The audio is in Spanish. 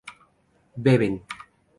beben